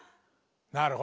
なるほど。